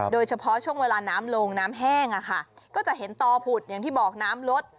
โดยเฉพาะช่วงเวลาน้ำลงน้ำแห้งก็จะเห็นต่อผุดอย่างที่บอกน้ำลด